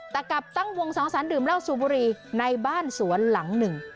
แต่กลับตั้งวงสังสรรคดื่มเหล้าสูบบุรีในบ้านสวนหลังหนึ่ง